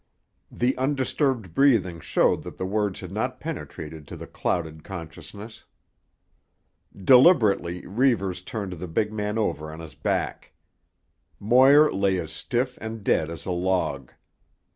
The undisturbed breathing showed that the words had not penetrated to the clouded consciousness. Deliberately Reivers turned the big man over on his back. Moir lay as stiff and dead as a log.